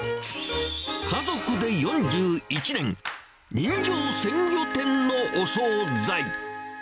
家族で４１年、人情鮮魚店のお総菜。